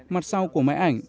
mặt sau của máy ảnh